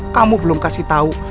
kamu belum kasih tau